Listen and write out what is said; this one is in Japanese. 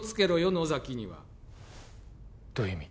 野崎にはどういう意味？